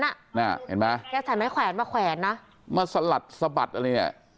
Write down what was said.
เห็นไหมแกใส่ไม้แขวนมาแขวนนะมาสลัดสะบัดอะไรเนี่ย